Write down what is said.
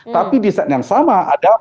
tapi di saat yang sama ada